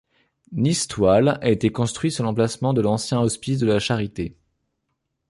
Nicetoile a été construit sur l'emplacement de l'ancien hospice de la Charité.